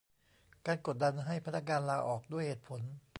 การกดดันให้พนักงานลาออก ด้วยเหตุผล